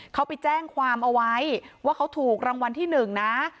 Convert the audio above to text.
เขาไปแจ้งความเอาไว้ว่าเขาถูกรางวัลที่๑นะ